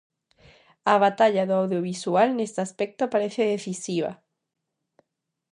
A batalla do audiovisual neste aspecto parece decisiva.